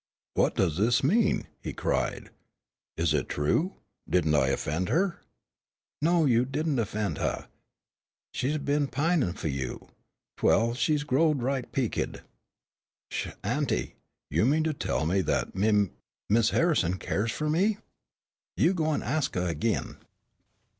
"What does this mean," he cried. "Is it true, didn't I offend her?" "No, you didn' 'fend huh. She's been pinin' fu' you, 'twell she's growed right peekid." "Sh, auntie, do you mean to tell me that Mim Miss Harrison cares for me?" "You go an' ax huh ag'in."